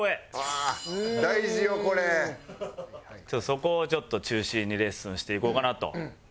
そこをちょっと中心にレッスンしていこうかなと。